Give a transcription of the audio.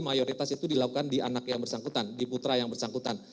mayoritas itu dilakukan di anak yang bersangkutan di putra yang bersangkutan